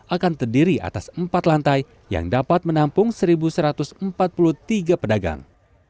akan terdiri atas empat lantai yang dapat menampung satu satu ratus empat puluh tiga pedagang